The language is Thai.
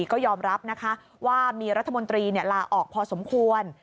ก็ยอมรับนะคะว่ามีรัฐมนตรีลาออกพอสมควร